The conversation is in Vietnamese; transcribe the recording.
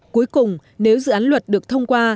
cuối cùng nếu dự án luật được thông qua